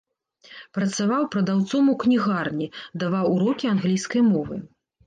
Працаваў прадаўцом у кнігарні, даваў урокі англійскай мовы.